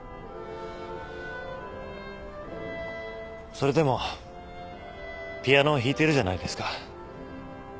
それでもピアノを弾いてるじゃないですか。